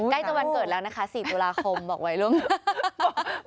ใกล้จะวันเกิดแล้วนะคะ๔ตุลาคมบอกไว้ล่วงหน้า